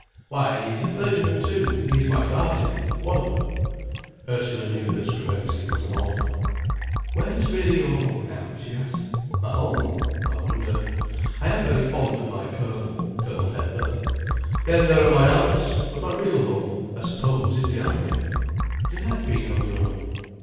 "Why, he is a clergyman too—he is my guardian—one of them." Ursula knew that Skrebensky was an orphan. "Where is really your home now?" she asked. "My home?—I wonder. I am very fond of my colonel—Colonel Hepburn: then there are my aunts: but my real home, I suppose, is the army." "Do you like being on your own?"